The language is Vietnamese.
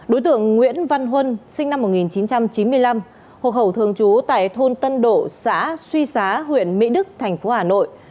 đối tượng nguyễn văn huân sinh năm một nghìn chín trăm chín mươi năm hộ khẩu thường trú tại thôn tân độ xã suy xá huyện mỹ đức thành phố hà nội